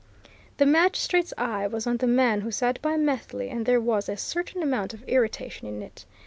The magistrate's eye was on the man who sat by Methley, and there was a certain amount of irritation in it.